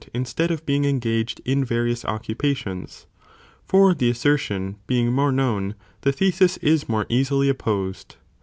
+ instead of being engaged in various occupations, for the assertion being more known, the thesis is more easily opposed.